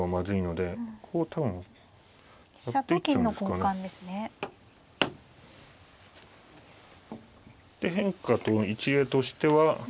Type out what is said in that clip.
で変化と一例としてはえ